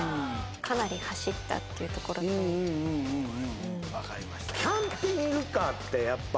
かなり走ったっていうところとうんうんうんうん分かりました